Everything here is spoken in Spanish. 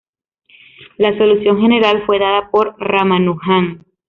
La solución general fue dada por Ramanujan.